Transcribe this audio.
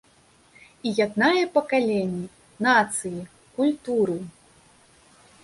І яднае пакаленні, нацыі, культуры.